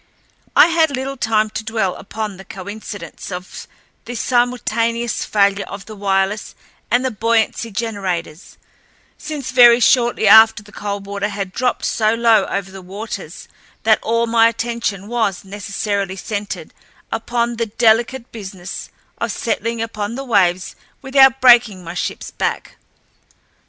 I had little time to dwell upon the coincidence of the simultaneous failure of the wireless and the buoyancy generators, since very shortly after the Coldwater had dropped so low over the waters that all my attention was necessarily centered upon the delicate business of settling upon the waves without breaking my shipl's back.